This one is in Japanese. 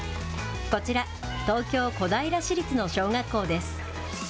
こちら、東京・小平市立の小学校です。